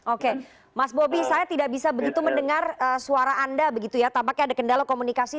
oke mas bobi saya tidak bisa begitu mendengar suara anda begitu ya tampaknya ada kendala komunikasi